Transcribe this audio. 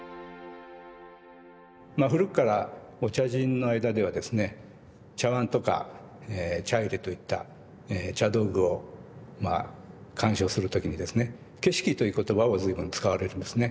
まあ古くからお茶人の間ではですね茶碗とか茶入れといった茶道具をまあ鑑賞する時にですね景色という言葉を随分使われるんですね。